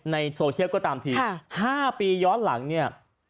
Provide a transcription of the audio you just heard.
ในโซเชียลก็ตามที๕ปีย้อนหลังเนี่ย